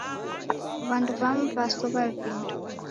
W'andu w'amu w'asow'a vindo.